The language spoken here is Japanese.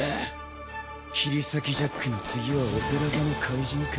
切り裂きジャックの次はオペラ座の怪人か。